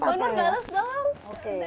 pak nur bales dong